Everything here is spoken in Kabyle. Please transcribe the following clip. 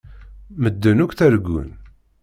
Medden akk ttargun.